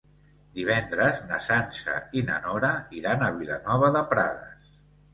Divendres na Sança i na Nora iran a Vilanova de Prades.